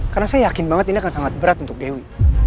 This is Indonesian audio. karena saya yakin banget ini akan sangat berat untuk dewi